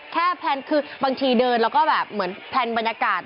แพลนคือบางทีเดินแล้วก็แบบเหมือนแพลนบรรยากาศ